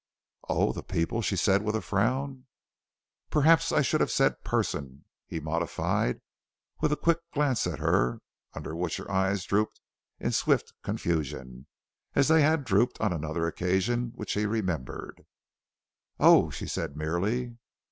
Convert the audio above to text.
"Oh, the people!" she said with a frown. "Perhaps I should have said 'person,'" he modified with a quick glance at her, under which her eyes drooped in swift confusion as they had drooped on another occasion which he remembered. "Oh!" she said merely.